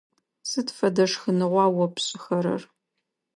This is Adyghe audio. Сыд фэдэ шхыныгъуа о пшӏыхэрэр?